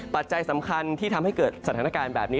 ปัจจัยสำคัญที่ทำให้เกิดสถานการณ์แบบนี้